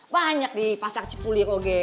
banyak di pasar cipuliroge